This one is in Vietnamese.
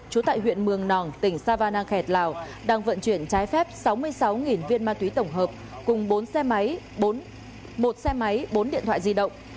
trú tại huyện mường nòng tỉnh savanang khẹt lào đang vận chuyển trái phép sáu mươi sáu viên ma túy tổng hợp cùng bốn xe máy một xe máy bốn điện thoại di động